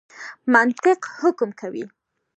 منطق حکم کوي.